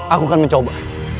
aku akan mencoba